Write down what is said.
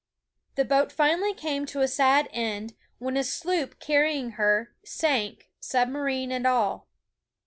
The boat finally came to a sad end, when a sloop carrying her, sank, submarine and all.